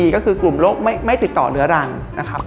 ก็คือกลุ่มโรคไม่ติดต่อเรื้อรังนะครับ